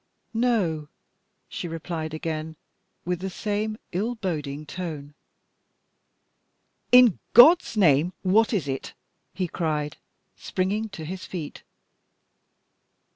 "No," she replied again, with the same ill boding tone. "In God's name, what is it?" he cried, springing to his feet.